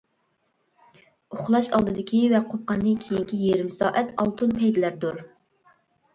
ئۇخلاش ئالدىدىكى ۋە قوپقاندىن كېيىنكى يېرىم سائەت ئالتۇن پەيتلەردۇر!